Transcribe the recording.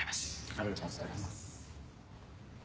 ありがとうございます。